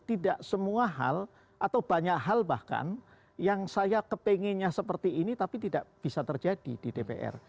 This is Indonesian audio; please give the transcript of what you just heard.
tidak semua hal atau banyak hal bahkan yang saya kepengennya seperti ini tapi tidak bisa terjadi di dpr